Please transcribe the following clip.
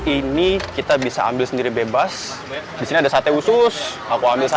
ini kita bisa ambil sendiri bebas di sini ada sate khusus aku ambil satu